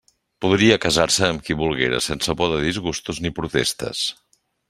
Podria casar-se amb qui volguera, sense por de disgustos ni protestes.